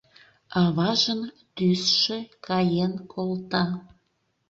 Аважын тӱсшӧ каен колта.